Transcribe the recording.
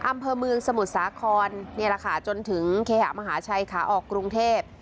อำเภอเมืองสมุทรสาครนี่แหละค่ะจนถึงเคหะมหาชัยขาออกกรุงเทพ